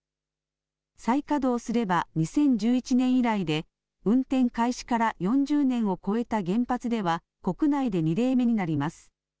再稼働すれば、２０１１年以来で運転開始から４０年を超えた原発では国内で２例目になります。